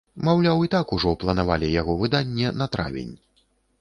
Маўляў, і так ужо планавалі яго выданне на травень.